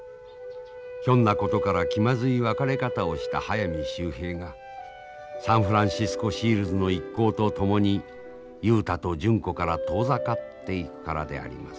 ひょんなことから気まずい別れ方をした速水秀平がサンフランシスコ・シールズの一行と共に雄太と純子から遠ざかっていくからであります。